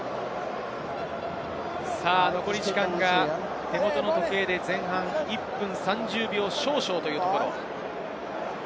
残り時間が手元の時計で前半１分３０秒少々というところ。